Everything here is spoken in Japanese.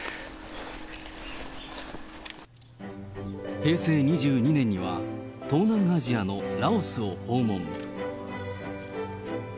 平成２２年には、東南アジアのラオスを訪問。